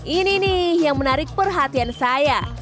ini nih yang menarik perhatian saya